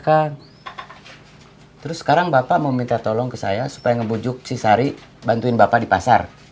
terus sekarang bapak mau minta tolong ke saya supaya ngebujuk cisari bantuin bapak di pasar